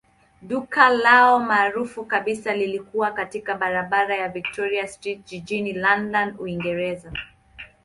Duka lao maarufu kabisa lilikuwa katika barabara ya Victoria Street jijini London, Uingereza.